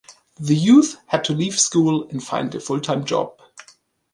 The youth had to leave school and find a full-time job.